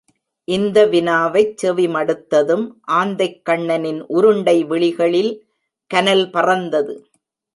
இந்த வினாவைச் செவிமடுத்ததும் ஆந்தைக்கண்ணனின் உருண்டை விழிகளில் கனல் பறந்தது.